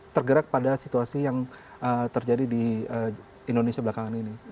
tergerak pada situasi yang terjadi di indonesia belakangan ini